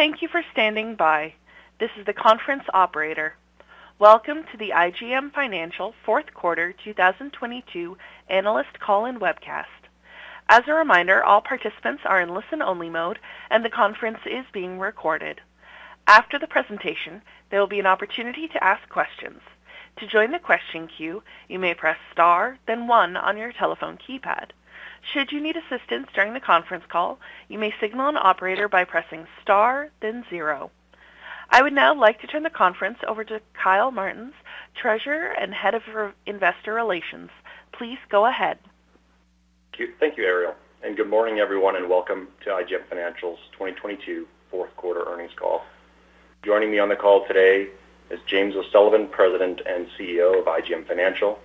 Thank you for standing by. This is the conference operator. Welcome to the IGM Financial Fourth Quarter 2022 analyst call and webcast. As a reminder, all participants are in listen-only mode, and the conference is being recorded. After the presentation, there will be an opportunity to ask questions. To join the question queue, you may press star then one on your telephone keypad. Should you need assistance during the conference call, you may signal an operator by pressing star then zero. I would now like to turn the conference over to Kyle Martens, Treasurer and Head of Investor Relations. Please go ahead. Thank you, Ariel, and good morning, everyone, and welcome to IGM Financial's 2022 fourth quarter earnings call. Joining me on the call today is James O'Sullivan, President and CEO of IGM Financial,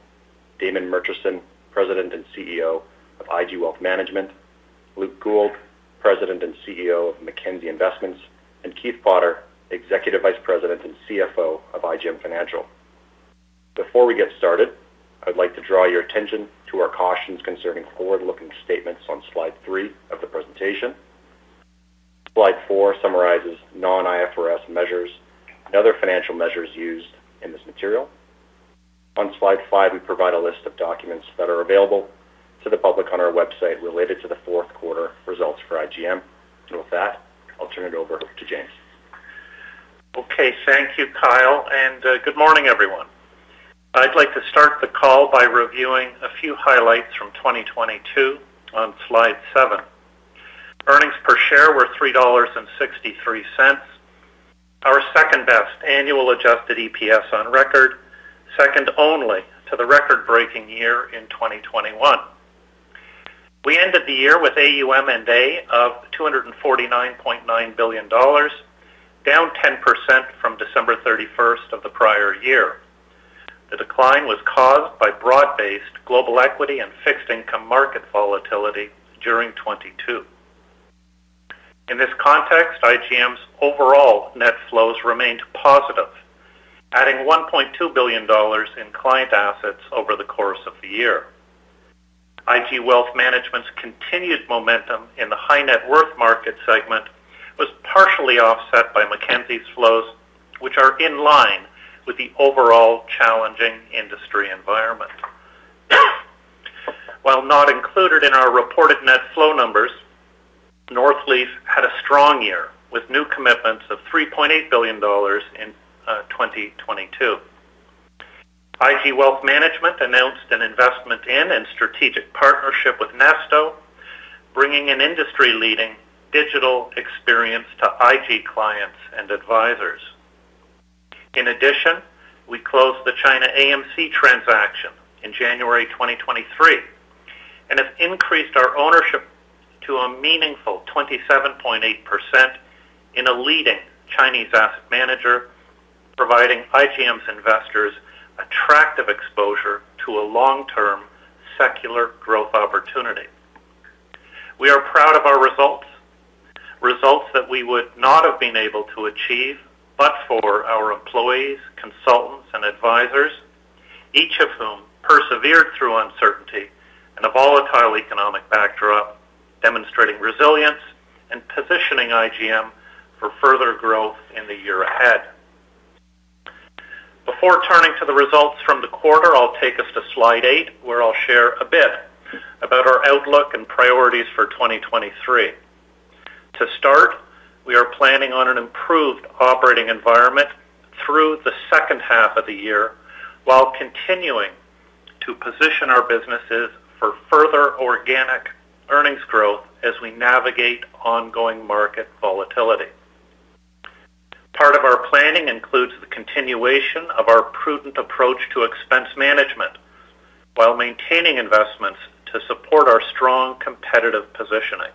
Damon Murchison, President and CEO of IG Wealth Management, Luke Gould, President and CEO of Mackenzie Investments, and Keith Potter, Executive Vice President and CFO of IGM Financial. Before we get started, I'd like to draw your attention to our cautions concerning forward-looking statements on slide three of the presentation. Slide four summarizes non-IFRS measures and other financial measures used in this material. On slide five, we provide a list of documents that are available to the public on our website related to the fourth quarter results for IGM. With that, I'll turn it over to James. Okay. Thank you, Kyle, good morning, everyone. I'd like to start the call by reviewing a few highlights from 2022 on slide seven. Earnings per share were CAD 3.63. Our second-best annual adjusted EPS on record, second only to the record-breaking year in 2021. We ended the year with AUM and A of 249.9 billion dollars, down 10% from December 31st of the prior year. The decline was caused by broad-based global equity and fixed income market volatility during 2022. In this context, IGM's overall net flows remained positive, adding 1.2 billion dollars in client assets over the course of the year. IG Wealth Management's continued momentum in the high net worth market segment was partially offset by Mackenzie's flows, which are in line with the overall challenging industry environment. While not included in our reported net flow numbers, Northleaf had a strong year, with new commitments of 3.8 billion dollars in 2022. IG Wealth Management announced an investment in and strategic partnership with Nesto, bringing an industry-leading digital experience to IG clients and advisors. In addition, we closed the China AMC transaction in January 2023 and have increased our ownership to a meaningful 27.8% in a leading Chinese asset manager, providing IGM's investors attractive exposure to a long-term secular growth opportunity. We are proud of our results that we would not have been able to achieve but for our employees, consultants, and advisors, each of whom persevered through uncertainty in a volatile economic backdrop, demonstrating resilience and positioning IGM for further growth in the year ahead. Before turning to the results from the quarter, I'll take us to slide eight, where I'll share a bit about our outlook and priorities for 2023. We are planning on an improved operating environment through the second half of the year while continuing to position our businesses for further organic earnings growth as we navigate ongoing market volatility. Part of our planning includes the continuation of our prudent approach to expense management while maintaining investments to support our strong competitive positioning.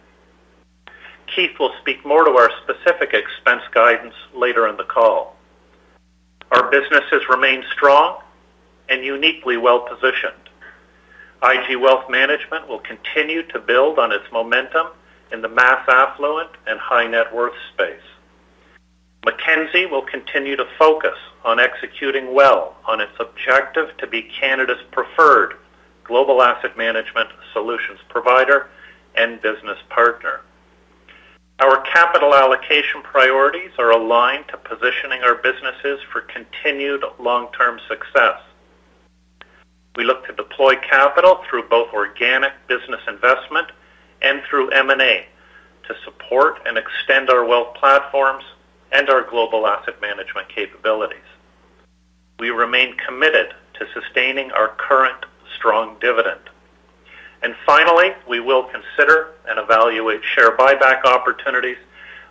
Keith will speak more to our specific expense guidance later in the call. Our businesses remain strong and uniquely well-positioned. IG Wealth Management will continue to build on its momentum in the mass affluent and high net worth space. Mackenzie will continue to focus on executing well on its objective to be Canada's preferred global asset management solutions provider and business partner. Our capital allocation priorities are aligned to positioning our businesses for continued long-term success. We look to deploy capital through both organic business investment and through M&A to support and extend our wealth platforms and our global asset management capabilities. We remain committed to sustaining our current strong dividend. Finally, we will consider and evaluate share buyback opportunities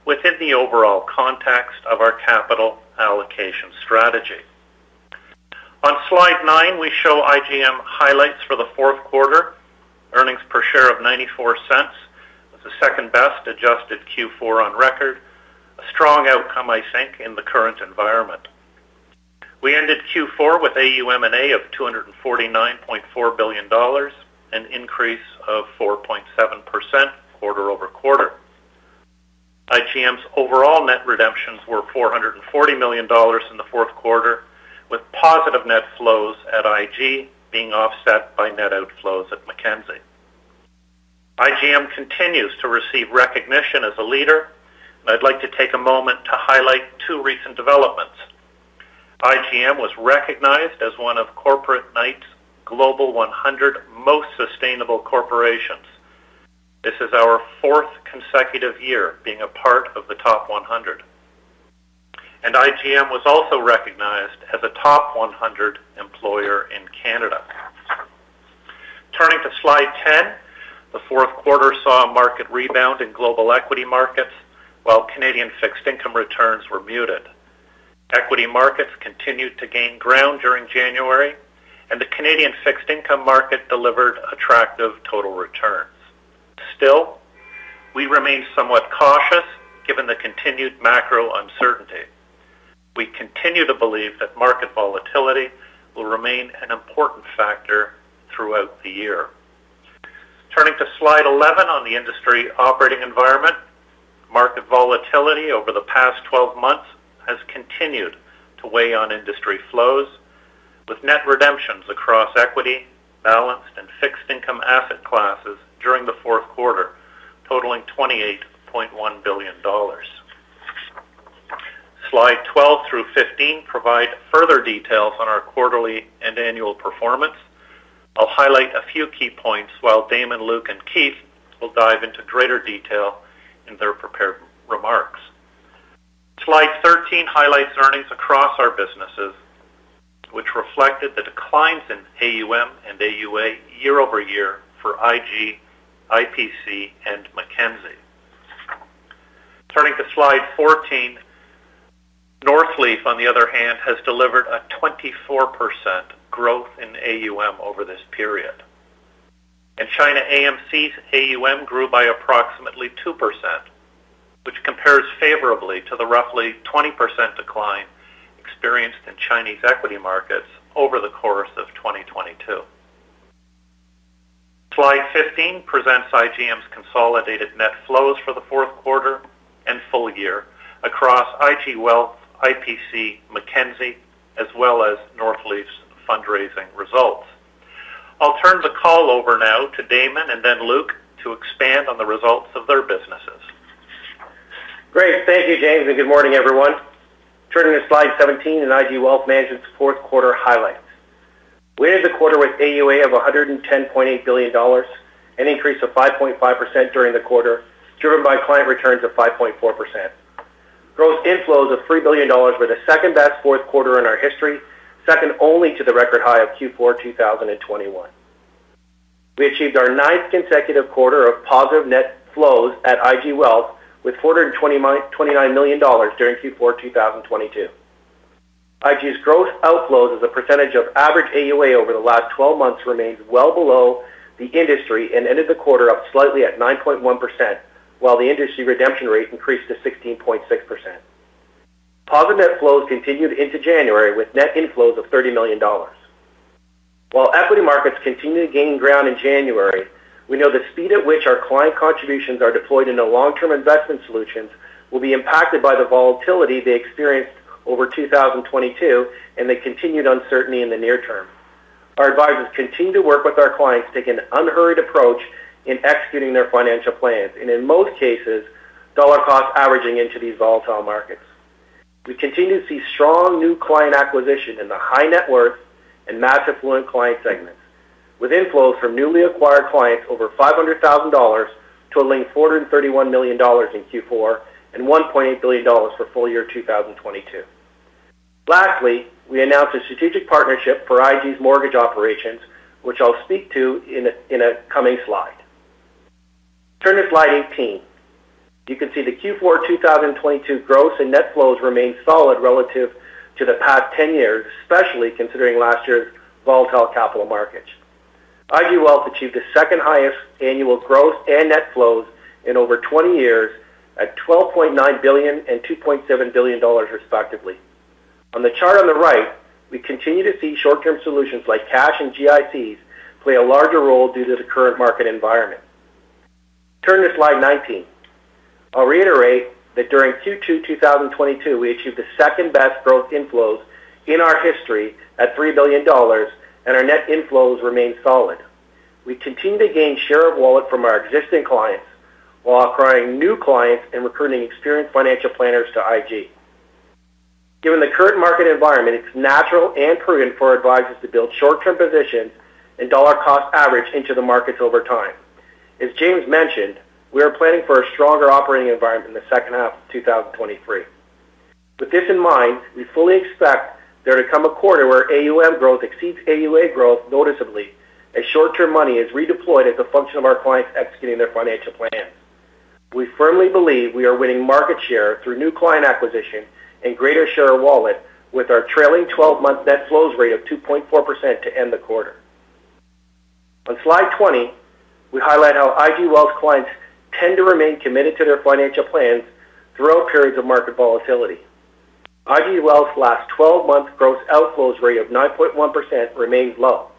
within the overall context of our capital allocation strategy. On slide nine, we show IGM highlights for the fourth quarter. Earnings per share of 0.94. It's the second-best adjusted Q4 on record. A strong outcome, I think, in the current environment. We ended Q4 with AUM&A of 249.4 billion dollars, an increase of 4.7% quarter-over-quarter. IGM's overall net redemptions were 440 million dollars in the fourth quarter, with positive net flows at IG being offset by net outflows at Mackenzie. I'd like to take a moment to highlight two recent developments. IGM was recognized as one of Corporate Knights Global 100 Most Sustainable Corporations. This is our fourth consecutive year being a part of the top 100. IGM was also recognized as a top 100 employer in Canada. Turning to Slide 10. The fourth quarter saw a market rebound in global equity markets while Canadian fixed income returns were muted. Equity markets continued to gain ground during January, the Canadian fixed income market delivered attractive total returns. Still, we remain somewhat cautious given the continued macro uncertainty. We continue to believe that market volatility will remain an important factor throughout the year. Turning to Slide 11 on the industry operating environment. Market volatility over the past 12 months has continued to weigh on industry flows, with net redemptions across equity, balanced and fixed income asset classes during the fourth quarter totaling $28.1 billion. Slide 12 through 15 provide further details on our quarterly and annual performance. I'll highlight a few key points while Damon, Luke and Keith will dive into greater detail in their prepared remarks. Slide 13 highlights earnings across our businesses, which reflected the declines in AUM and AUA year-over-year for IG, IPC and Mackenzie. Turning to Slide 14. Northleaf, on the other hand, has delivered a 24% growth in AUM over this period. China AMC's AUM grew by approximately 2%, which compares favorably to the roughly 20% decline experienced in Chinese equity markets over the course of 2022. Slide 15 presents IGM's consolidated net flows for the fourth quarter and full year across IG Wealth, IPC, Mackenzie as well as Northleaf's fundraising results. I'll turn the call over now to Damon and then Luke to expand on the results of their businesses. Great. Thank you, James. Good morning everyone. Turning to Slide 17 in IG Wealth Management's fourth quarter highlights. We ended the quarter with AUA of 110.8 billion dollars, an increase of 5.5% during the quarter, driven by client returns of 5.4%. Gross inflows of 3 billion dollars were the second best fourth quarter in our history, second only to the record high of Q4 2021. We achieved our ninth consecutive quarter of positive net flows at IG Wealth with 429 million dollars during Q4 2022. IG's gross outflows as a percentage of average AUA over the last 12 months remains well below the industry and ended the quarter up slightly at 9.1%, while the industry redemption rate increased to 16.6%. Positive net flows continued into January with net inflows of 30 million dollars. While equity markets continue to gain ground in January, we know the speed at which our client contributions are deployed into long-term investment solutions will be impacted by the volatility they experienced over 2022 and the continued uncertainty in the near term. Our advisors continue to work with our clients, taking an unhurried approach in executing their financial plans, and in most cases, dollar cost averaging into these volatile markets. We continue to see strong new client acquisition in the high net worth and mass affluent client segments, with inflows from newly acquired clients over 500,000 dollars, totaling 431 million dollars in Q4, and 1.8 billion dollars for full year 2022. Lastly, we announced a strategic partnership for IG's mortgage operations, which I'll speak to in a coming slide. Turn to slide 18. You can see the Q4 2022 gross and net flows remain solid relative to the past 10 years, especially considering last year's volatile capital markets. IG Wealth achieved the second highest annual growth and net flows in over 20 years at 12.9 billion and 2.7 billion dollars, respectively. On the chart on the right, we continue to see short-term solutions like cash and GICs play a larger role due to the current market environment. Turn to slide 19. I'll reiterate that during Q2 2022, we achieved the second-best gross inflows in our history at 3 billion dollars. Our net inflows remain solid. We continue to gain share of wallet from our existing clients while acquiring new clients and recruiting experienced financial planners to IG. Given the current market environment, it's natural and prudent for our advisors to build short term positions and dollar cost average into the markets over time. As James mentioned, we are planning for a stronger operating environment in the second half of 2023. With this in mind, we fully expect there to come a quarter where AUM growth exceeds AUA growth noticeably as short term money is redeployed as a function of our clients executing their financial plans. We firmly believe we are winning market share through new client acquisition and greater share of wallet with our trailing twelve-month net flows rate of 2.4% to end the quarter. On slide 20, we highlight how IG Wealth clients tend to remain committed to their financial plans throughout periods of market volatility. IG Wealth's last 12-month gross outflows rate of 9.1% remains low.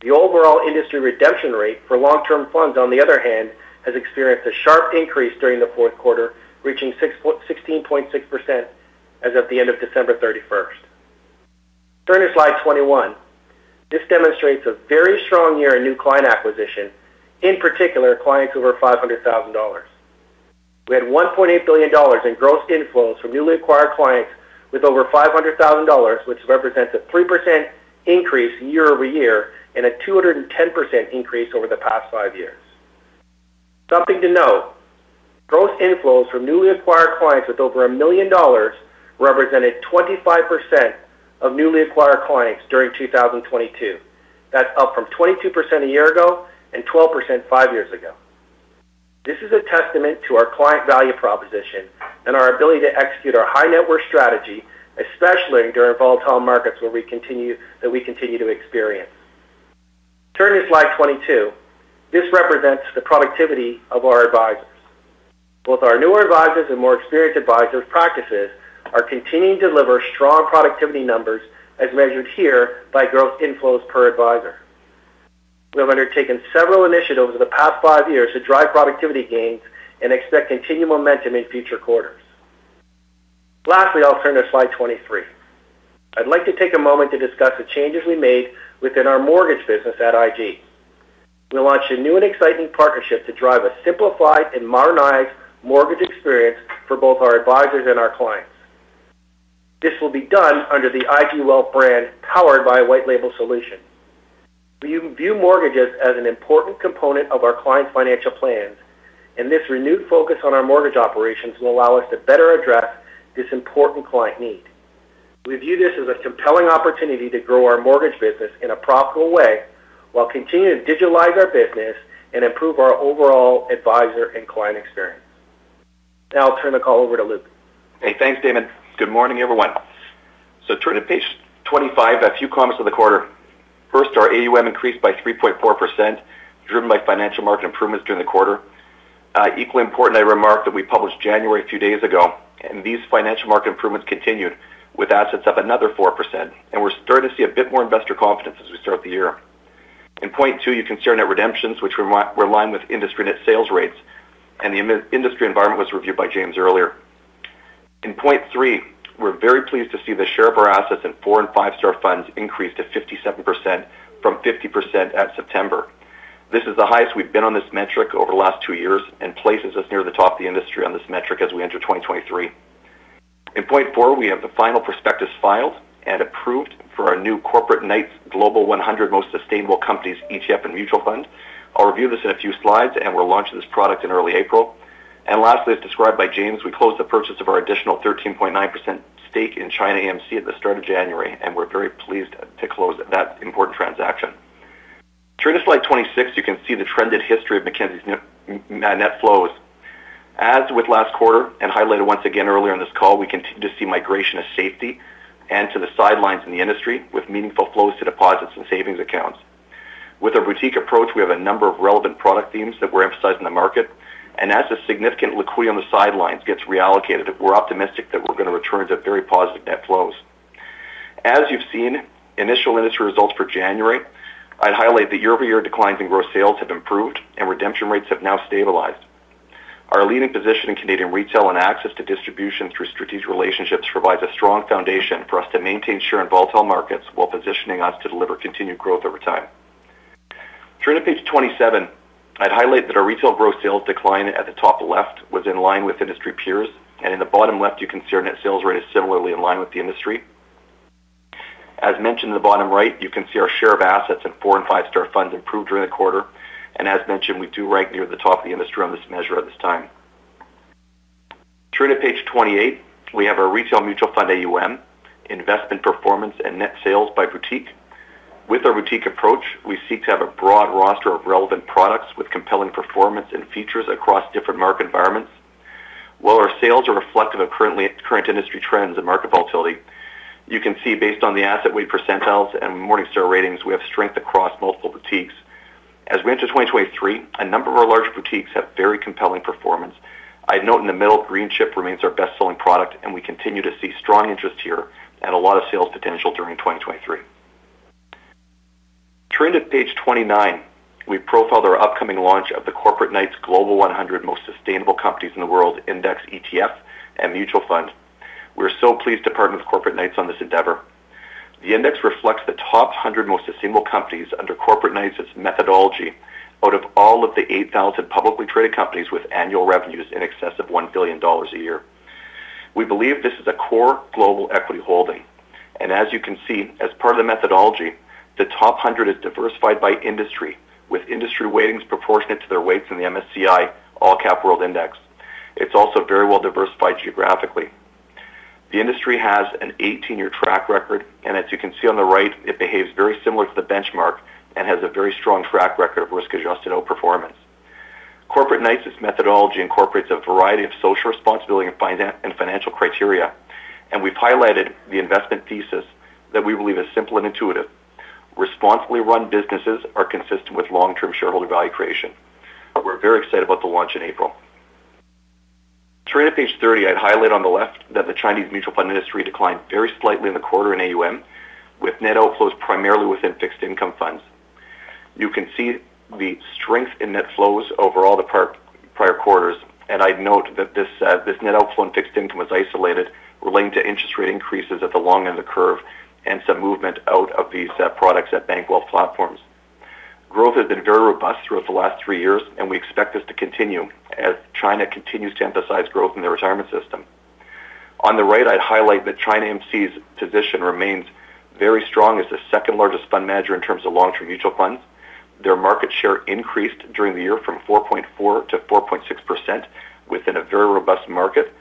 The overall industry redemption rate for long-term funds, on the other hand, has experienced a sharp increase during the fourth quarter, reaching 16.6% as at the end of December 31st. Turn to slide 21. This demonstrates a very strong year in new client acquisition, in particular, clients over 500,000 dollars. We had 1.8 billion dollars in gross inflows from newly acquired clients with over 500,000 dollars, which represents a 3% increase year-over-year and a 210% increase over the past five years. Something to note, gross inflows from newly acquired clients with over $1 million represented 25% of newly acquired clients during 2022. That's up from 22% one year ago and 12% five years ago. This is a testament to our client value proposition and our ability to execute our high net worth strategy, especially during volatile markets that we continue to experience. Turn to slide 22. This represents the productivity of our advisors. Both our newer advisors and more experienced advisors practices are continuing to deliver strong productivity numbers as measured here by growth inflows per advisor. We have undertaken several initiatives over the past five years to drive productivity gains and expect continued momentum in future quarters. Lastly, I'll turn to slide 23. I'd like to take a moment to discuss the changes we made within our mortgage business at IG. We launched a new and exciting partnership to drive a simplified and modernized mortgage experience for both our advisors and our clients. This will be done under the IG Wealth brand, powered by a white label solution. We view mortgages as an important component of our client's financial plans, and this renewed focus on our mortgage operations will allow us to better address this important client need. We view this as a compelling opportunity to grow our mortgage business in a profitable way while continuing to digitalize our business and improve our overall advisor and client experience. Now I'll turn the call over to Luke. Thanks, Damon. Good morning, everyone. Turning to page 25, a few comments on the quarter. First, our AUM increased by 3.4%, driven by financial market improvements during the quarter. Equally important, I remarked that we published January a few days ago, and these financial market improvements continued with assets up another 4%, and we're starting to see a bit more investor confidence as we start the year. In point two, you can see our net redemptions, which were in line with industry net sales rates, and the industry environment was reviewed by James earlier. In point three, we're very pleased to see the share of our assets in four and five-star funds increased to 57% from 50% at September. This is the highest we've been on this metric over the last two years and places us near the top of the industry on this metric as we enter 2023. In point four, we have the final prospectus filed and approved for our new Corporate Knights Global 100 Most Sustainable Companies ETF and mutual fund. I'll review this in a few slides, and we're launching this product in early April. Lastly, as described by James, we closed the purchase of our additional 13.9% stake in China AMC at the start of January, and we're very pleased to close that important transaction. Turning to slide 26, you can see the trended history of Mackenzie's net flows. As with last quarter and highlighted once again earlier on this call, we continue to see migration as safety and to the sidelines in the industry with meaningful flows to deposits and savings accounts. With our boutique approach, we have a number of relevant product themes that we're emphasizing in the market. As the significant liquidity on the sidelines gets reallocated, we're optimistic that we're going to return to very positive net flows. As you've seen, initial industry results for January, I'd highlight the year-over-year declines in gross sales have improved and redemption rates have now stabilized. Our leading position in Canadian retail and access to distribution through strategic relationships provides a strong foundation for us to maintain share in volatile markets while positioning us to deliver continued growth over time. Turning to page 27, I'd highlight that our retail gross sales decline at the top left was in line with industry peers. In the bottom left, you can see our net sales rate is similarly in line with the industry. As mentioned in the bottom right, you can see our share of assets in four and five-star funds improved during the quarter. As mentioned, we do rank near the top of the industry on this measure at this time. Turning to page 28, we have our retail mutual fund AUM, investment performance, and net sales by boutique. With our boutique approach, we seek to have a broad roster of relevant products with compelling performance and features across different market environments. While our sales are reflective of current industry trends and market volatility, you can see based on the asset weight percentiles and Morningstar ratings, we have strength across multiple boutiques. As we enter 2023, a number of our larger boutiques have very compelling performance. I'd note in the middle, Greenchip remains our best-selling product, and we continue to see strong interest here and a lot of sales potential during 2023. Turning to page 29, we profiled our upcoming launch of the Corporate Knights Global 100 Most Sustainable Companies in the World Index ETF and Mutual Fund. We're so pleased to partner with Corporate Knights on this endeavor. The index reflects the top 100 most sustainable companies under Corporate Knights' methodology out of all of the 8,000 publicly traded companies with annual revenues in excess of 1 billion dollars a year. We believe this is a core global equity holding. As you can see, as part of the methodology, the top 100 is diversified by industry, with industry weightings proportionate to their weights in the MSCI All Country World Index. It's also very well diversified geographically. The industry has a 18-year track record. As you can see on the right, it behaves very similar to the benchmark and has a very strong track record of risk-adjusted outperformance. Corporate Knights' methodology incorporates a variety of social responsibility and financial criteria. We've highlighted the investment thesis that we believe is simple and intuitive. Responsibly run businesses are consistent with long-term shareholder value creation. We're very excited about the launch in April. Turning to page 30, I'd highlight on the left that the Chinese mutual fund industry declined very slightly in the quarter in AUM, with net outflows primarily within fixed income funds. You can see the strength in net flows over all the prior quarters. I'd note that this net outflow in fixed income was isolated relating to interest rate increases at the long end of the curve and some movement out of these products at Bank Wealth platforms. Growth has been very robust throughout the last three years. We expect this to continue as China continues to emphasize growth in their retirement system. On the right, I'd highlight that China AMC's position remains very strong as the second-largest fund manager in terms of long-term mutual funds. Their market share increased during the year from 4.4%-4.6% within a very robust market.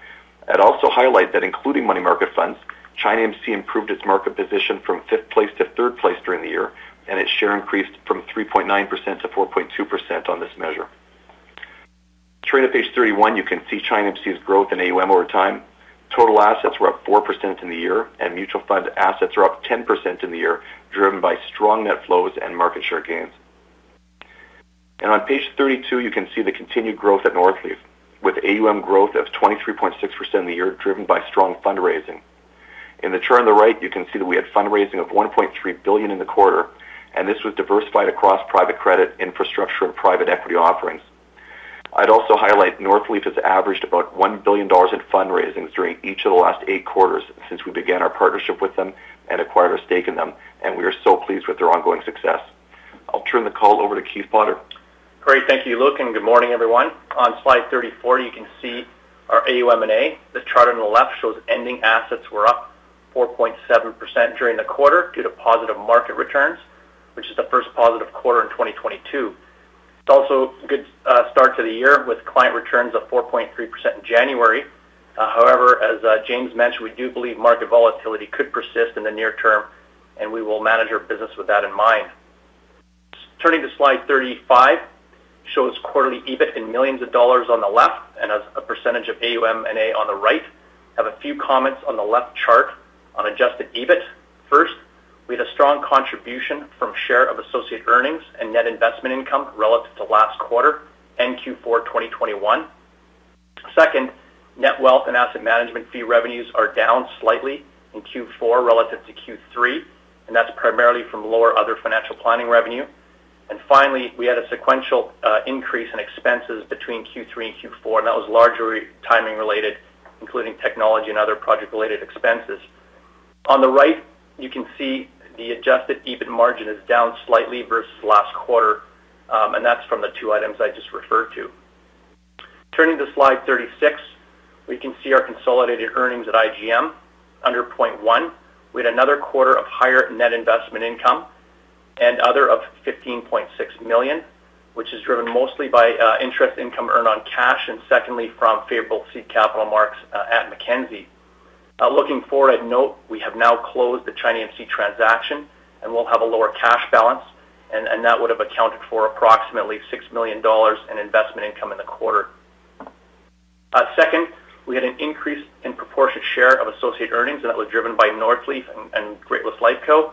I'd also highlight that including money market funds, China AMC improved its market position from fifth place to third place during the year, and its share increased from 3.9%-4.2% on this measure. Turning to page 31, you can see China AMC's growth in AUM over time. Total assets were up 4% in the year, and mutual fund assets are up 10% in the year, driven by strong net flows and market share gains. On page 32, you can see the continued growth at Northleaf, with AUM growth of 23.6% in the year driven by strong fundraising. In the chart on the right, you can see that we had fundraising of $1.3 billion in the quarter. This was diversified across private credit, infrastructure, and private equity offerings. I'd also highlight Northleaf has averaged about $1 billion in fundraisings during each of the last eight quarters since we began our partnership with them and acquired a stake in them. We are so pleased with their ongoing success. I'll turn the call over to Keith Potter. Great. Thank you, Luke, good morning, everyone. On slide 34, you can see our AUM&A. The chart on the left shows ending assets were up 4.7% during the quarter due to positive market returns, which is the first positive quarter in 2022. It's also a good start to the year with client returns of 4.3% in January. However, as James mentioned, we do believe market volatility could persist in the near term, and we will manage our business with that in mind. Turning to slide 35, shows quarterly EBIT in millions dollars on the left and as a percentage of AUM&A on the right. I have a few comments on the left chart on Adjusted EBIT. First, we had a strong contribution from share of associate earnings and net investment income relative to last quarter and Q4 2021. Net wealth and asset management fee revenues are down slightly in Q4 relative to Q3. That's primarily from lower other financial planning revenue. Finally, we had a sequential increase in expenses between Q3 and Q4. That was largely timing related, including technology and other project-related expenses. On the right, you can see the Adjusted EBIT margin is down slightly versus last quarter. That's from the two items I just referred to. Turning to slide 36, we can see our consolidated earnings at IGM. Under point one, we had another quarter of higher net investment income and other of 15.6 million, which is driven mostly by interest income earned on cash. Secondly, from favorable seed capital marks at Mackenzie. Looking forward, note we have now closed the China AMC transaction and we'll have a lower cash balance, and that would have accounted for approximately 6 million dollars in investment income in the quarter. Second, we had an increase in proportionate share of associate earnings, and that was driven by Northleaf and Great-West Lifeco.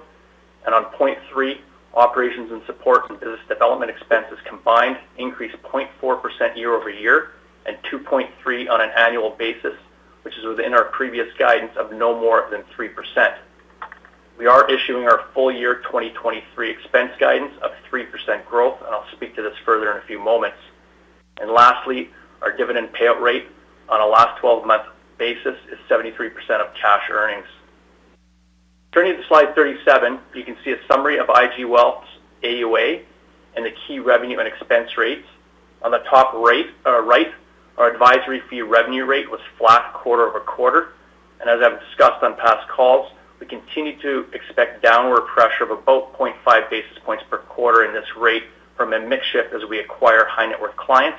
On point three, operations and support from business development expenses combined increased 0.4% year-over-year and 2.3% on an annual basis, which is within our previous guidance of no more than 3%. We are issuing our full year 2023 expense guidance of 3% growth. I'll speak to this further in a few moments. Lastly, our dividend payout rate on a last 12-month basis is 73% of cash earnings. Turning to slide 37, you can see a summary of IG Wealth's AUA and the key revenue and expense rates. On the top rate, our advisory fee revenue rate was flat quarter-over-quarter. As I've discussed on past calls, we continue to expect downward pressure of about 0.5 basis points per quarter in this rate from a mix shift as we acquire high net worth clients.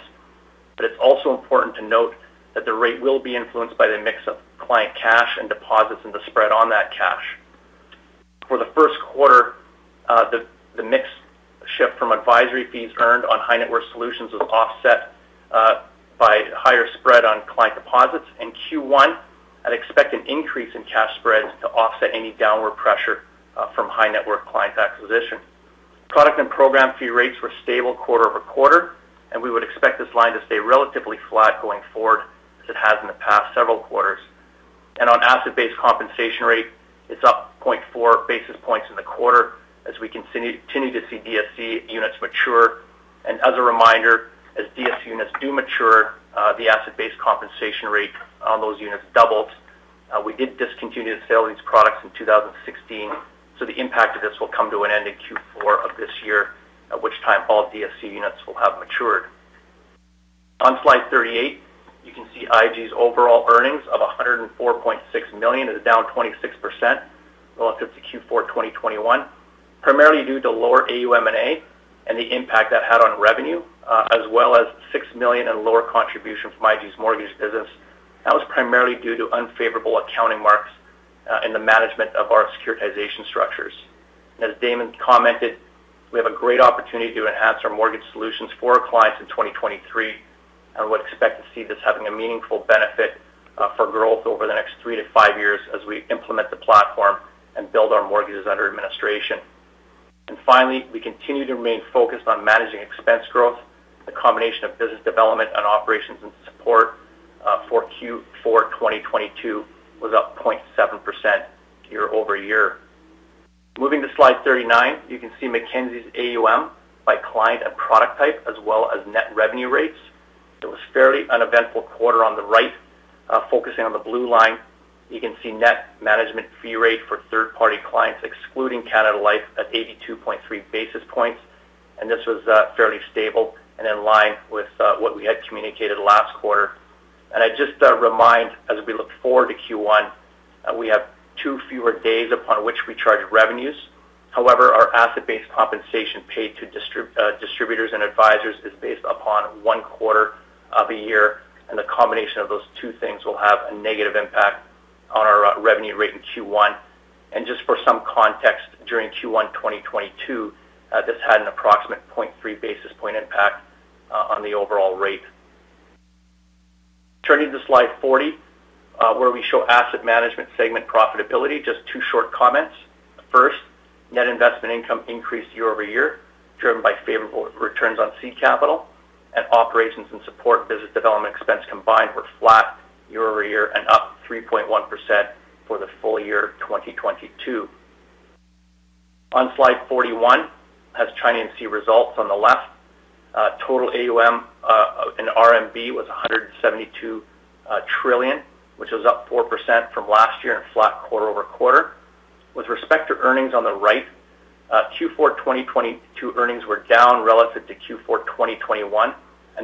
It's also important to note that the rate will be influenced by the mix of client cash and deposits and the spread on that cash. For the first quarter, the mix shift from advisory fees earned on high net worth solutions was offset by higher spread on client deposits in Q1 and expect an increase in cash spreads to offset any downward pressure from high net worth clients acquisition. Product and program fee rates were stable quarter-over-quarter. We would expect this line to stay relatively flat going forward as it has in the past several quarters. On asset-based compensation rate, it's up 0.4 basis points in the quarter as we continue to see DSC units mature. As a reminder, as DSC units do mature, the asset-based compensation rate on those units doubled. We did discontinue the sale of these products in 2016. The impact of this will come to an end in Q4 of this year, at which time all DSC units will have matured. On slide 38, you can see IG's overall earnings of 104.6 million is down 26% relative to Q4 2021, primarily due to lower AUM&A and the impact that had on revenue, as well as 6 million in lower contribution from IG's mortgage business. That was primarily due to unfavorable accounting marks, in the management of our securitization structures. As Damon commented, we have a great opportunity to enhance our mortgage solutions for our clients in 2023, and would expect to see this having a meaningful benefit, for growth over the next three-five years as we implement the platform and build our mortgages under administration. Finally, we continue to remain focused on managing expense growth. The combination of business development and operations and support, for Q4 2022 was up 0.6% year-over-year. Moving to slide 39, you can see Mackenzie's AUM by client and product type as well as net revenue rates. It was fairly uneventful quarter on the right. Focusing on the blue line, you can see net management fee rate for third-party clients excluding Canada Life at 82.3 basis points. This was fairly stable and in line with what we had communicated last quarter. I just remind as we look forward to Q1, we have two fewer days upon which we charge revenues. However, our asset-based compensation paid to distributors and advisors is based upon one quarter of a year, and the combination of those two things will have a negative impact on our revenue rate in Q1. Just for some context, during Q1 2022, this had an approximate 0.3 basis point impact on the overall rate. Turning to slide 40, where we show asset management segment profitability. Just two short comments. First, net investment income increased year-over-year, driven by favorable returns on seed capital, and operations and support business development expense combined were flat year-over-year and up 3.1% for the full year 2022. On slide 41 has China AMC results on the left. Total AUM in RMB was 172 trillion, which was up 4% from last year and flat quarter-over-quarter. With respect to earnings on the right, Q4 2022 earnings were down relative to Q4 2021.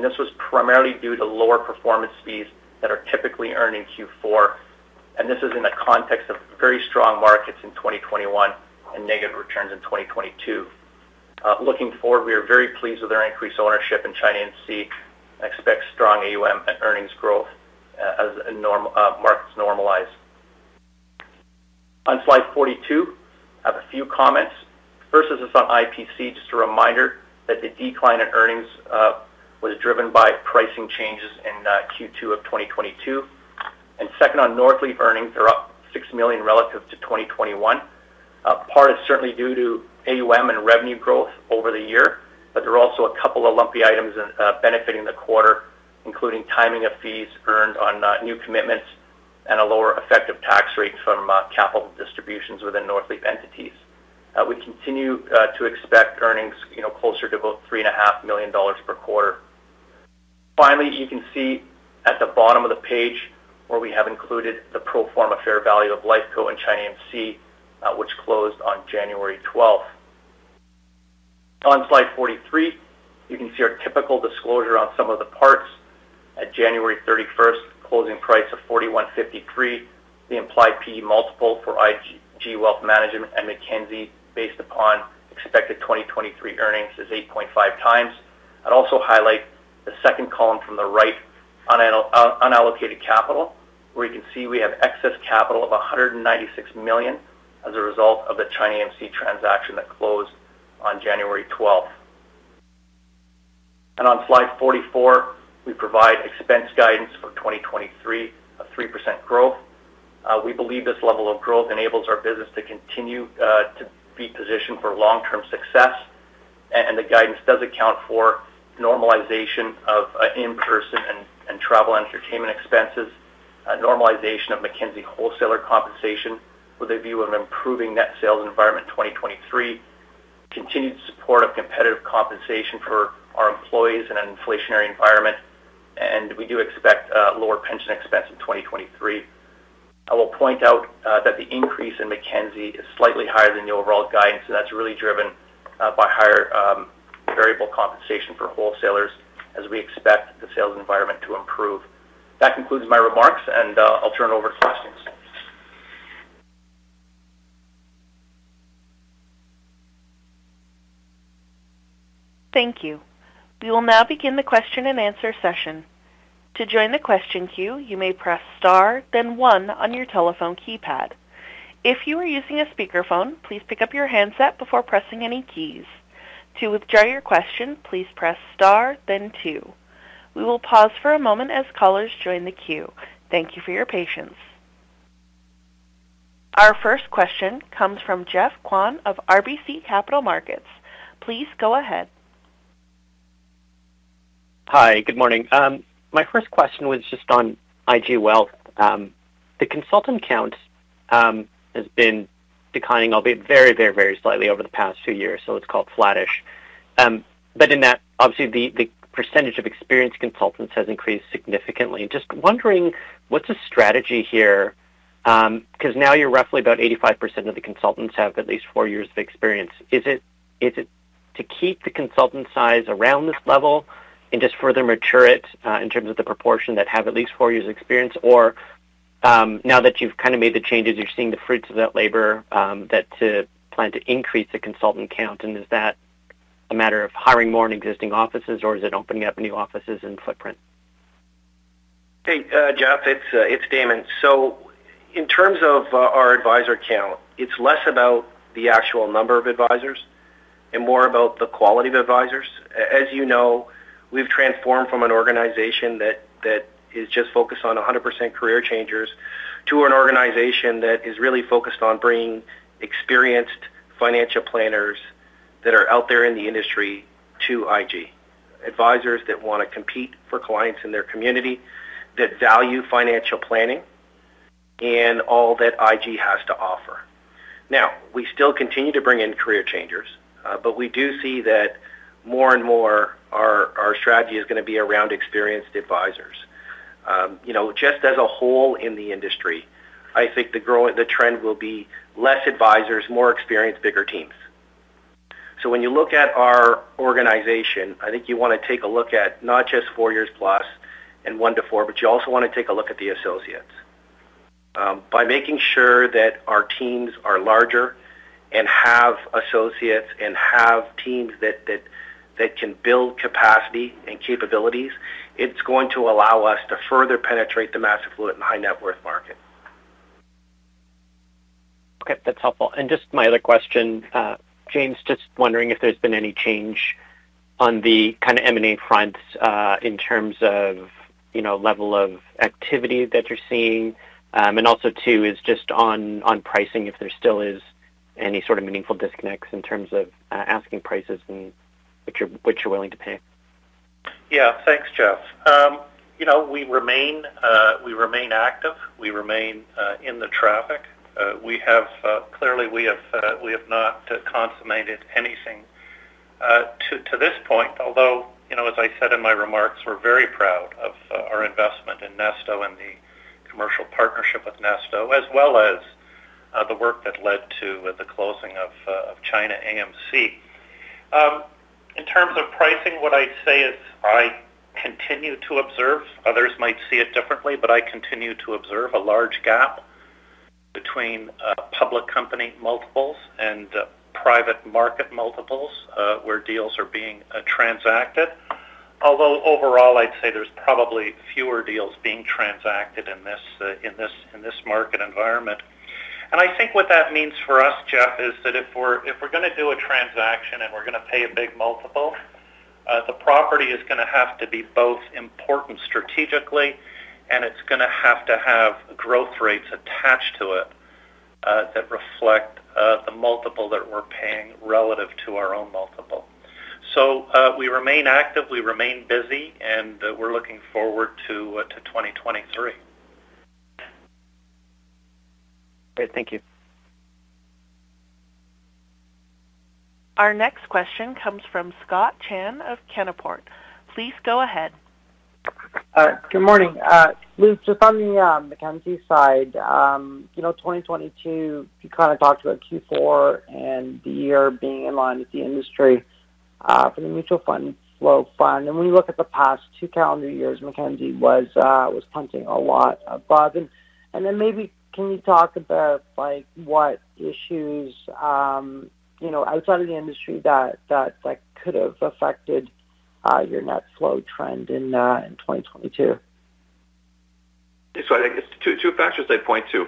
This was primarily due to lower performance fees that are typically earned in Q4. This is in the context of very strong markets in 2021 and negative returns in 2022. Looking forward, we are very pleased with our increased ownership in China AMC and expect strong AUM and earnings growth as markets normalize. On slide 42, I have a few comments. First is on IPC. Just a reminder that the decline in earnings was driven by pricing changes in Q2 of 2022. Second, on Northleaf earnings are up $6 million relative to 2021. Part is certainly due to AUM and revenue growth over the year. There are also a couple of lumpy items benefiting the quarter, including timing of fees earned on new commitments and a lower effective tax rate from capital distributions within Northleaf entities. We continue, you know, to expect earnings closer to about three and a half million CAD per quarter. You can see at the bottom of the page where we have included the pro forma fair value of Lifeco in China AMC, which closed on January 12th. On slide 43, you can see our typical disclosure on some of the parts at January 31st closing price of 41.53. The implied PE multiple for IG Wealth Management and Mackenzie based upon expected 2023 earnings is 8.5x. I'd also highlight the second column from the right on unallocated capital, where you can see we have excess capital of 196 million as a result of the China AMC transaction that closed on January 12th. On slide 44, we provide expense guidance for 2023 of 3% growth. We believe this level of growth enables our business to continue to be positioned for long-term success. The guidance does account for normalization of in-person and travel entertainment expenses, normalization of Mackenzie wholesaler compensation with a view of improving net sales environment in 2023, continued support of competitive compensation for our employees in an inflationary environment, and we do expect lower pension expense in 2023. I will point out that the increase in Mackenzie is slightly higher than the overall guidance, and that's really driven by higher variable compensation for wholesalers as we expect the sales environment to improve. That concludes my remarks. I'll turn over to questions. Thank you. We will now begin the question-and-answer session. To join the question queue, you may press star then one on your telephone keypad. If you are using a speakerphone, please pick up your handset before pressing any keys. To withdraw your question, please press star then two. We will pause for a moment as callers join the queue. Thank you for your patience. Our first question comes from Geoffrey Kwan of RBC Capital Markets. Please go ahead. Hi, good morning. My first question was just on IG Wealth. The consultant count has been declining, albeit very, very, very slightly over the past few years, it's called flattish. In that obviously the percentage of experienced consultants has increased significantly. Just wondering what's the strategy here, 'cause now you're roughly about 85% of the consultants have at least four years of experience. Is it to keep the consultant size around this level and just further mature it in terms of the proportion that have at least four years experience? Now that you've kind of made the changes, you're seeing the fruits of that labor, that to plan to increase the consultant count, and is that a matter of hiring more in existing offices, or is it opening up new offices and footprint? Hey, Geoff, it's Damon. In terms of our advisor count, it's less about the actual number of advisors and more about the quality of the advisors. As you know, we've transformed from an organization that is just focused on 100% career changers to an organization that is really focused on bringing experienced financial planners That are out there in the industry to IG. Advisors that want to compete for clients in their community, that value financial planning, and all that IG has to offer. We still continue to bring in career changers, we do see that more and more our strategy is going to be around experienced advisors. You know, just as a whole in the industry, I think the trend will be less advisors, more experienced, bigger teams. When you look at our organization, I think you want to take a look at not just four years plus and one-four, but you also want to take a look at the associates. By making sure that our teams are larger and have associates and have teams that can build capacity and capabilities, it's going to allow us to further penetrate the mass affluent and high-net-worth market. Okay, that's helpful. Just my other question, James, just wondering if there's been any change on the kind of M&A fronts, in terms of, you know, level of activity that you're seeing? Also too is just on pricing, if there still is any sort of meaningful disconnects in terms of, asking prices and what you're willing to pay? Yeah. Thanks, Jeff. You know, we remain, we remain active. We remain in the traffic. We have, clearly we have not consummated anything to this point, although, you know, as I said in my remarks, we're very proud of our investment in nesto and the commercial partnership with nesto, as well as the work that led to the closing of China AMC. In terms of pricing, what I'd say is I continue to observe. Others might see it differently, but I continue to observe a large gap between public company multiples and private market multiples, where deals are being transacted. Overall, I'd say there's probably fewer deals being transacted in this market environment. I think what that means for us, Jeff, is that if we're, if we're going to do a transaction and we're going to pay a big multiple, the property is going to have to be both important strategically, and it's going to have to have growth rates attached to it, that reflect, the multiple that we're paying relative to our own multiple. We remain active, we remain busy, and we're looking forward to 2023. Great. Thank you. Our next question comes from Scott Chan of Canaccord Genuity. Please go ahead. Good morning. Just on the Mackenzie side, you know, 2022, you kind of talked about Q4 and the year being in line with the industry, for the mutual fund flow fund. When you look at the past two calendar years, Mackenzie was punching a lot above. Then maybe can you talk about, like, what issues, you know, outside of the industry that, like, could have affected your net flow trend in 2022? I think it's two factors I'd point to.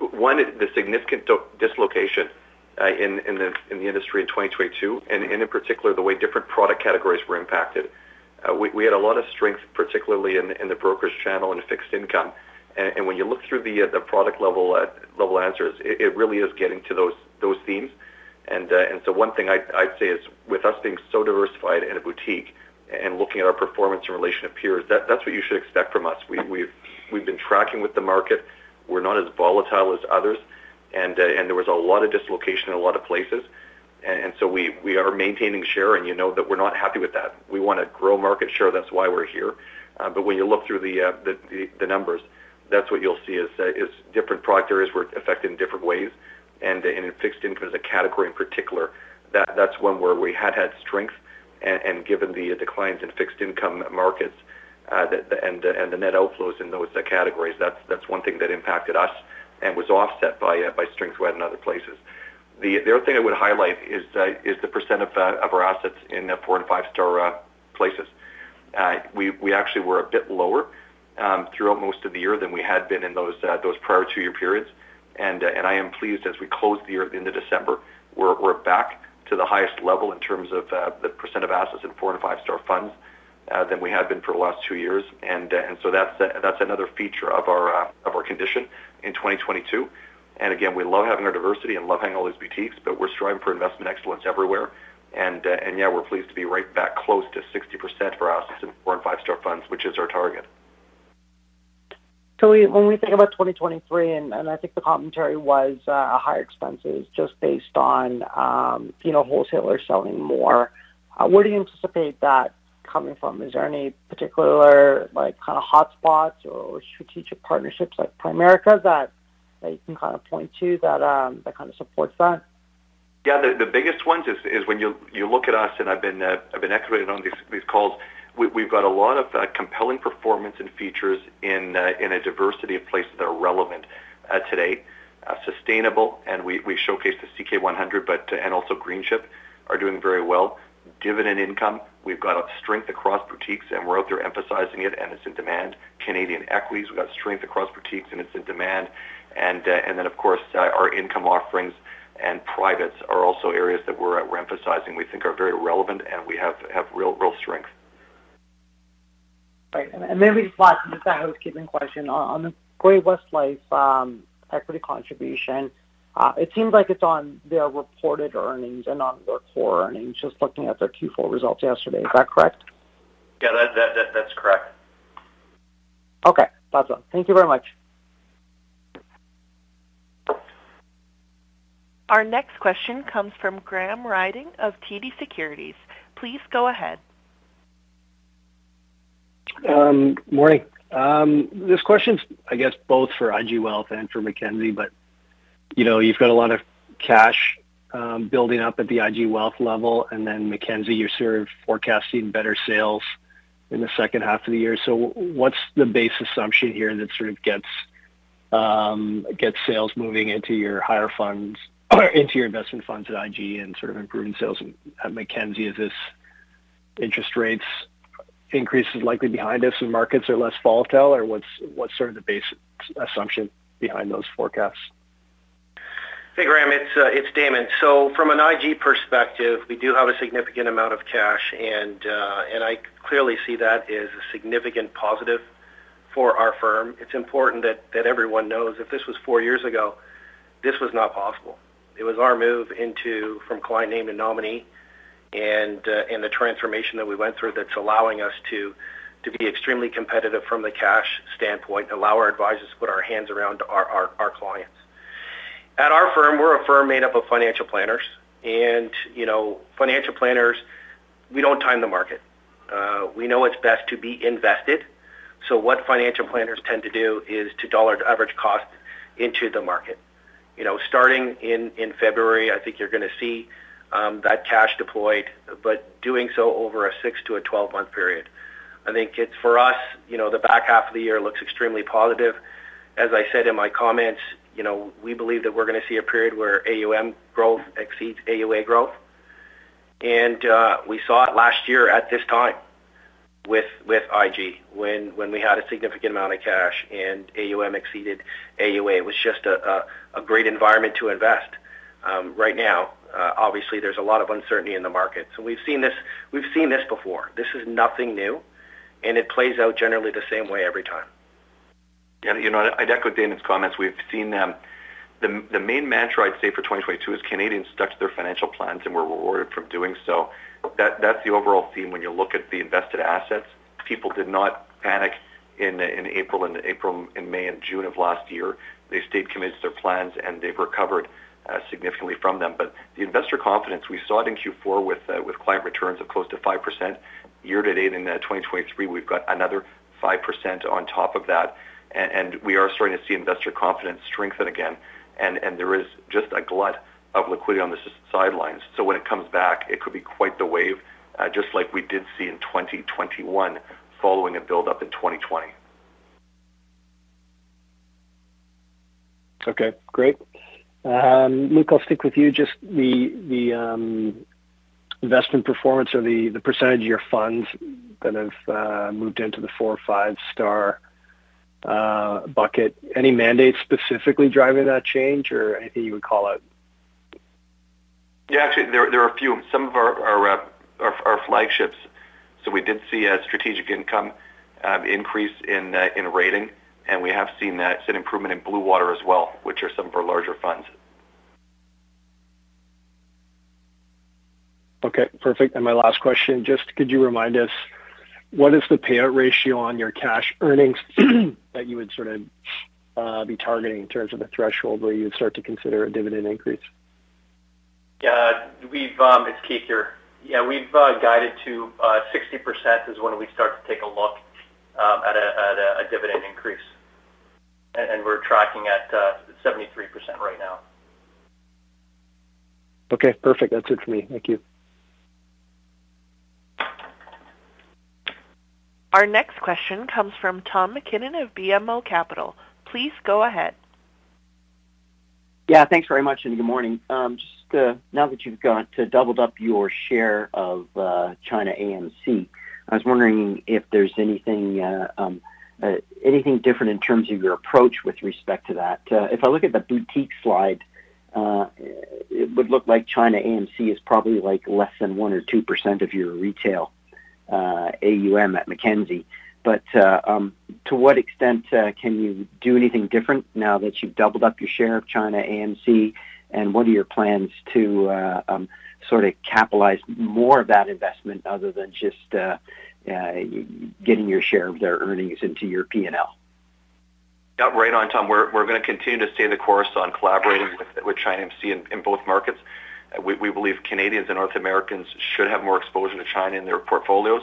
One is the significant dislocation in the industry in 2022, and in particular, the way different product categories were impacted. We had a lot of strength, particularly in the brokers channel in fixed income. When you look through the product level answers, it really is getting to those themes. One thing I'd say is with us being so diversified in a boutique and looking at our performance in relation to peers, that's what you should expect from us. We've been tracking with the market. We're not as volatile as others. There was a lot of dislocation in a lot of places. We, we are maintaining share, and you know that we're not happy with that. We want to grow market share. That's why we're here. When you look through the numbers, that's what you'll see is different product areas were affected in different ways. In fixed income as a category in particular, that's one where we had strength. Given the declines in fixed income markets, and the net outflows in those categories, that's one thing that impacted us and was offset by strength we had in other places. The other thing I would highlight is the percent of our assets in four-to five-star places. We actually were a bit lower throughout most of the year than we had been in those prior two-year periods. I am pleased as we close the year into December, we're back to the highest level in terms of the percent of assets in four- to five-star funds than we had been for the last two years. So that's another feature of our condition in 2022. Again, we love having our diversity and love having all these boutiques, but we're striving for investment excellence everywhere. Yeah, we're pleased to be right back close to 60% for assets in four- and five-star funds, which is our target. When we think about 2023, and I think the commentary was higher expenses just based on, you know, wholesalers selling more, where do you anticipate that coming from? Is there any particular, like, kind of hotspots or strategic partnerships like Primerica that you can kind of point to that kind of supports that? Yeah. The, the biggest ones is when you look at us, and I've been, I've been excavated on these calls, we've got a lot of compelling performance and features in a diversity of places that are relevant today. Sustainable, and we showcased the CK 100, but, and also Greenchip are doing very well. Dividend income, we've got a strength across boutiques, and we're out there emphasizing it, and it's in demand. Canadian equities, we've got strength across boutiques, and it's in demand. Then, of course, our income offerings and privates are also areas that we're emphasizing, we think are very relevant, and we have real strength. Right. Maybe last, just a housekeeping question. On the Great-West Lifeco, equity contribution, it seems like it's on their reported earnings and not their core earnings, just looking at their Q4 results yesterday. Is that correct? Yeah, that's correct. Okay. That's all. Thank you very much. Our next question comes from Graham Ryding of TD Securities. Please go ahead. Morning. This question is, I guess both for IG Wealth and for Mackenzie, you know, you've got a lot of cash, building up at the IG Wealth level, Mackenzie, you're sort of forecasting better sales in the second half of the year. What's the base assumption here that sort of gets sales moving into your higher funds into your investment funds at IG and sort of improving sales at Mackenzie? Is this interest rates increases likely behind this and markets are less volatile or what's sort of the base assumption behind those forecasts? Hey, Graham, it's Damon. From an IG perspective, we do have a significant amount of cash, and I clearly see that as a significant positive for our firm. It's important that everyone knows if this was four years ago, this was not possible. It was our move into from client name to nominee and the transformation that we went through that's allowing us to be extremely competitive from the cash standpoint, allow our advisors to put our hands around our clients. At our firm, we're a firm made up of financial planners and, you know, financial planners, we don't time the market. We know it's best to be invested. What financial planners tend to do is to dollar to average cost into the market. You know, starting in February, I think you're going to see that cash deployed, but doing so over a six-12 month period. I think it's for us, you know, the back half of the year looks extremely positive. As I said in my comments, you know, we believe that we're going to see a period where AUM growth exceeds AUA growth. We saw it last year at this time with IG when we had a significant amount of cash and AUM exceeded AUA. It was just a great environment to invest. Right now, obviously there's a lot of uncertainty in the market. We've seen this, we've seen this before. This is nothing new, and it plays out generally the same way every time. Yeah. You know, I'd echo Damon's comments. We've seen them. The main mantra I'd say for 2022 is Canadians stuck to their financial plans and were rewarded from doing so. That's the overall theme when you look at the invested assets. People did not panic in April and May and June of last year. They stayed committed to their plans, and they've recovered significantly from them. The investor confidence we saw it in Q4 with client returns of close to 5% year-to-date. In 2023, we've got another 5% on top of that. We are starting to see investor confidence strengthen again. There is just a glut of liquidity on the sidelines. When it comes back, it could be quite the wave, just like we did see in 2021 following a build-up in 2020. Okay, great. Luke, I'll stick with you. Just the investment performance or the percentage of your funds that have moved into the four or five-star bucket. Any mandates specifically driving that change or anything you would call out? Actually, there are a few. Some of our flagships. We did see a strategic income increase in rating, and we have seen that. It's an improvement in Bluewater as well, which are some of our larger funds. Okay, perfect. My last question, just could you remind us what is the payout ratio on your cash earnings that you would sort of, be targeting in terms of the threshold where you would start to consider a dividend increase? Yeah. We've. It's Keith here. Yeah, we've guided to 60% is when we start to take a look at a dividend increase. We're tracking at 73% right now. Okay, perfect. That's it for me. Thank you. Our next question comes from Tom MacKinnon of BMO Capital. Please go ahead. Yeah, thanks very much, and good morning. just now that you've got to doubled up your share of China AMC, I was wondering if there's anything different in terms of your approach with respect to that? If I look at the boutique slide, it would look like China AMC is probably like less than 1% or 2% of your retail AUM at Mackenzie. To what extent can you do anything different now that you've doubled up your share of China AMC? What are your plans to sort of capitalize more of that investment other than just getting your share of their earnings into your P&L? Yeah. Right on, Tom. We're going to continue to stay the course on collaborating with China AMC in both markets. We believe Canadians and North Americans should have more exposure to China in their portfolios.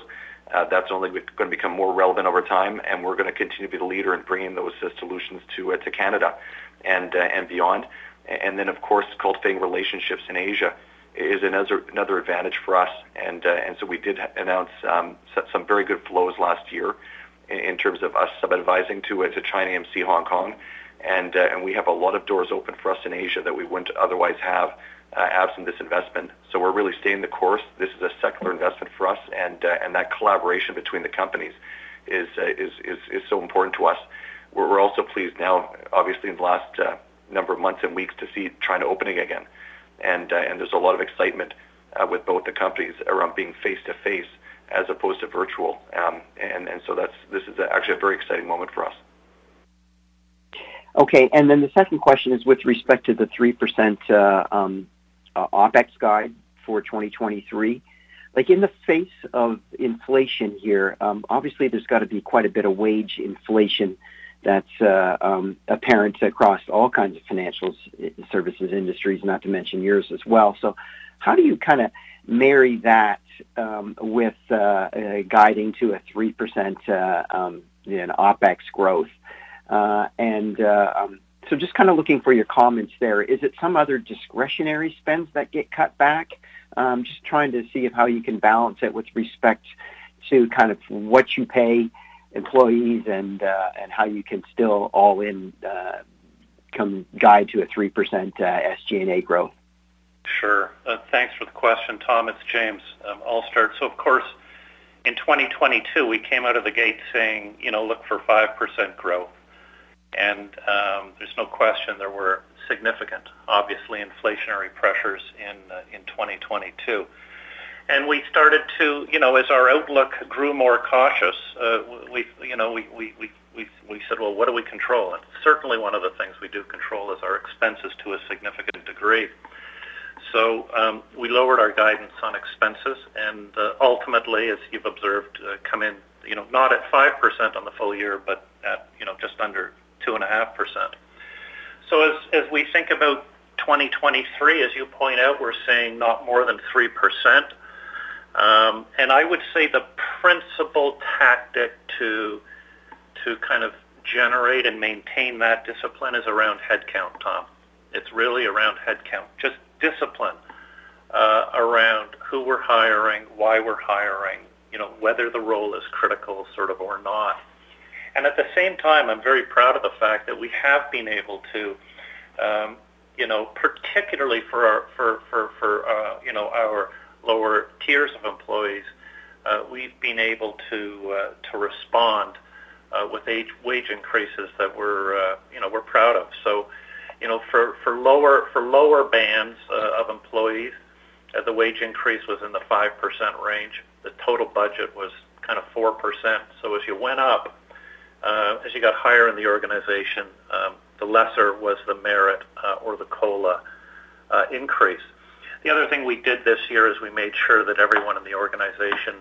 That's only going to become more relevant over time, and we're going to continue to be the leader in bringing those solutions to Canada and beyond. Of course, cultivating relationships in Asia is another advantage for us. We did announce some very good flows last year in terms of us sub-advising to China AMC Hong Kong. We have a lot of doors open for us in Asia that we wouldn't otherwise have absent this investment. We're really staying the course. This is a secular investment for us. That collaboration between the companies is so important to us. We're also pleased now, obviously in the last number of months and weeks to see China opening again. There's a lot of excitement with both the companies around being face-to-face as opposed to virtual. This is actually a very exciting moment for us. Okay. The second question is with respect to the 3% OpEx guide for 2023. Like in the face of inflation here, obviously there's got to be quite a bit of wage inflation that's apparent across all kinds of financial services industries, not to mention yours as well. How do you kind of marry that with guiding to a 3% in OpEx growth? Just kind of looking for your comments there. Is it some other discretionary spends that get cut back? Just trying to see how you can balance it with respect to kind of what you pay employees and how you can still all in guide to a 3% SG&A growth. Sure. Thanks for the question, Tom. It's James. I'll start. Of course, in 2022, we came out of the gate saying, you know, look for 5% growth. There's no question there were significant, obviously inflationary pressures in 2022. We started to, you know, as our outlook grew more cautious, we, you know, we said, "Well, what do we control?" Certainly one of the things we do control is our expenses to a significant degree. We lowered our guidance on expenses, and ultimately, as you've observed, come in, you know, not at 5% on the full year, but at, you know, just under 2.5%. As we think about 2023, as you point out, we're saying not more than 3%. I would say the principal tactic to kind of generate and maintain that discipline is around headcount, Tom. It's really around headcount. Just discipline around who we're hiring, why we're hiring, you know, whether the role is critical sort of or not. At the same time, I'm very proud of the fact that we have been able to, you know, particularly for our lower tiers of employees, we've been able to respond with wage increases that we're, you know, we're proud of. You know, for lower bands of employees, the wage increase was in the 5% range. The total budget was kind of 4%. As you went up, as you got higher in the organization, the lesser was the merit, or the COLA increase. The other thing we did this year is we made sure that everyone in the organization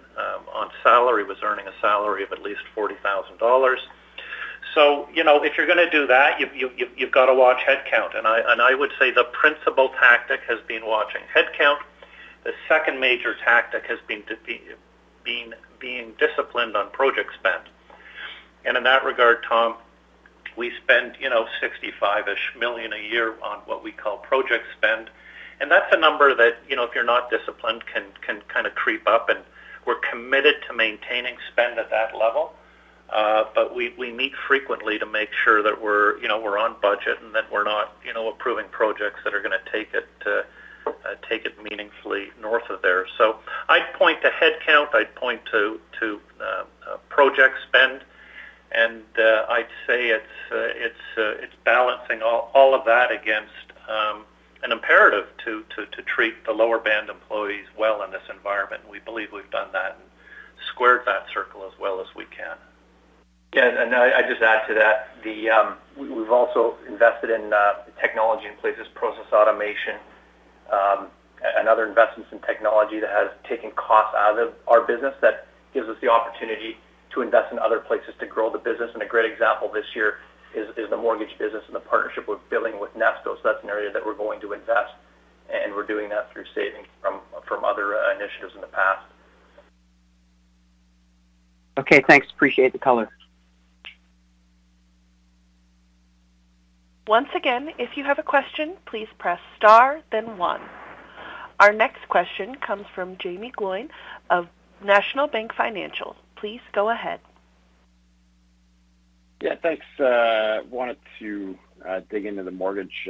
on salary was earning a salary of at least 40,000 dollars. You know, if you're going to do that, you've got to watch headcount. I would say the principal tactic has been watching headcount. The second major tactic has been being disciplined on project spend. In that regard, Tom, we spend, you know, 65-ish million a year on what we call project spend. That's a number that, you know, if you're not disciplined, can kind of creep up. We're committed to maintaining spend at that level. We meet frequently to make sure that we're, you know, we're on budget and that we're not, you know, approving projects that are going to take it meaningfully north of there. I'd point to headcount, I'd point to project spend. I'd say it's balancing all of that against an imperative to treat the lower band employees well in this environment. We believe we've done that and squared that circle as well as we can. I just add to that. We've also invested in technology in places, process automation, and other investments in technology that has taken costs out of our business that gives us the opportunity to invest in other places to grow the business. A great example this year is the mortgage business and the partnership we're building with nesto. That's an area that we're going to invest, and we're doing that through savings from other initiatives in the past. Okay, thanks. Appreciate the color. Once again, if you have a question, please press Star then One. Our next question comes from Jaeme Gloyn of National Bank Financial. Please go ahead. Yeah, thanks. Wanted to dig into the mortgage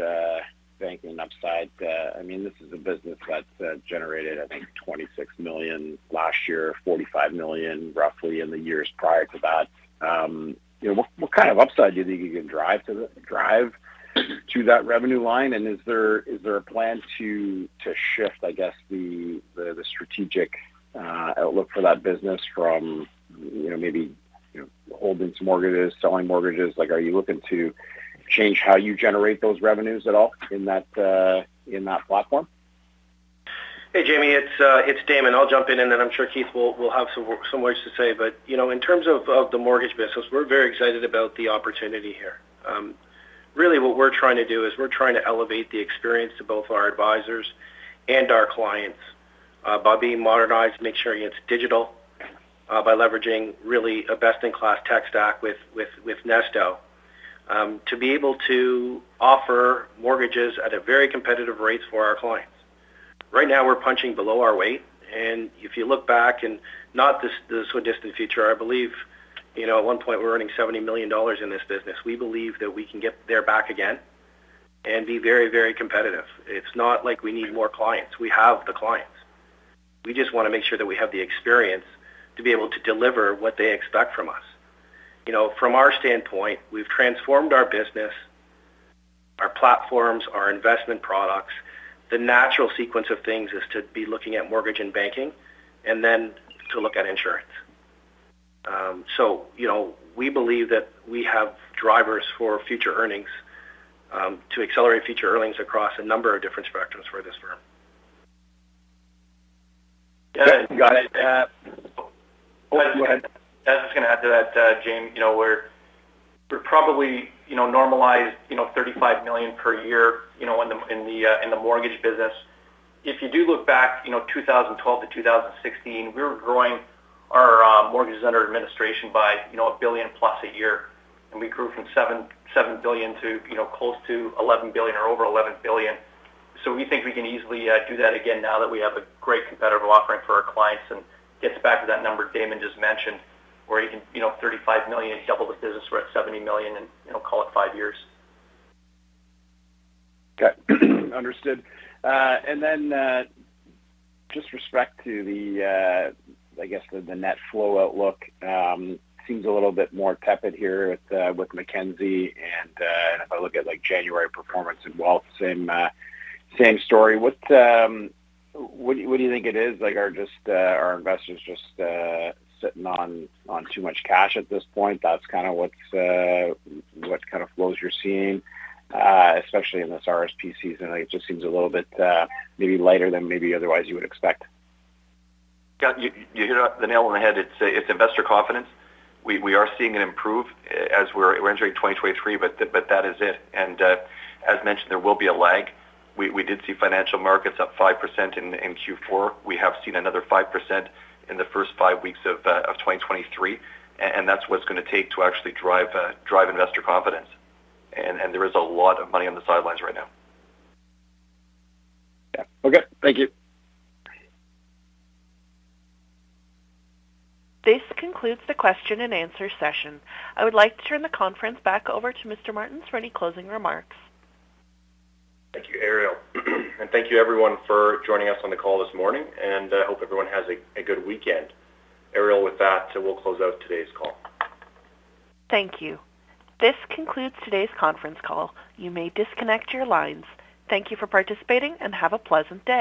banking upside. I mean, this is a business that's generated, I think 26 million last year, 45 million roughly in the years prior to that. What kind of upside do you think you can drive to that revenue line? Is there, is there a plan to shift, I guess the strategic outlook for that business from, you know, maybe, you know, holding some mortgages, selling mortgages? Like, are you looking to change how you generate those revenues at all in that platform? Hey, Jaeme, it's Damon. I'll jump in and then I'm sure Keith will have some words to say. You know, in terms of the mortgage business, we're very excited about the opportunity here. Really what we're trying to do is we're trying to elevate the experience to both our advisors and our clients, by being modernized, making sure it's digital, by leveraging really a best-in-class tech stack with nesto, to be able to offer mortgages at a very competitive rates for our clients. Right now, we're punching below our weight. If you look back in not the so distant future, I believe, you know, at one point we're earning 70 million dollars in this business. We believe that we can get there back again and be very, very competitive. It's not like we need more clients. We have the clients. We just want to make sure that we have the experience to be able to deliver what they expect from us. You know, from our standpoint, we've transformed our business, our platforms, our investment products. The natural sequence of things is to be looking at mortgage and banking and then to look at insurance. You know, we believe that we have drivers for future earnings to accelerate future earnings across a number of different spectrums for this firm. Got it. Go ahead. I was just going to add to that, James. We're probably normalized $35 million per year in the mortgage business. If you do look back, 2012-2016, we were growing our mortgages under administration by $1 billion+ a year, and we grew from $7 billion to close to $11 billion or over $11 billion. We think we can easily do that again now that we have a great competitive offering for our clients. Gets back to that number Damon just mentioned where you can, $35 million, double the business, we're at $70 million in call it five years. Okay. Understood. Just with respect to the, I guess the net flow outlook, seems a little bit more tepid here with Mackenzie and if I look at, like, January performance in wealth, same story. What do you think it is? Like, are investors just sitting on too much cash at this point? That's kind of what's, what kind of flows you're seeing, especially in this RSP season. It just seems a little bit, maybe lighter than maybe otherwise you would expect. Got it. You hit the nail on the head. It's investor confidence. We are seeing it improve as we're entering 2023, but that is it. As mentioned, there will be a lag. We did see financial markets up 5% in Q4. We have seen another 5% in the first five weeks of 2023, and that's what it's going to take to actually drive investor confidence. There is a lot of money on the sidelines right now. Yeah. Okay. Thank you. This concludes the question and answer session. I would like to turn the conference back over to Mr. Martens for any closing remarks. Thank you, Ariel. Thank you everyone for joining us on the call this morning, and I hope everyone has a good weekend. Ariel, with that, we'll close out today's call. Thank you. This concludes today's conference call. You may disconnect your lines. Thank you for participating. Have a pleasant day.